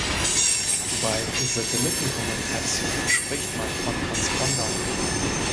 Bei Satellitenkommunikation spricht man von Transpondern.